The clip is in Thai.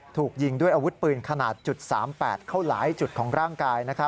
ถูกยิงด้วยอาวุธปืนขนาด๓๘เข้าหลายจุดของร่างกาย